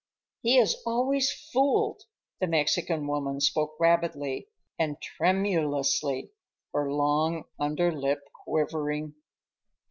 "He is always fooled,"—the Mexican woman spoke rapidly and tremulously, her long under lip quivering.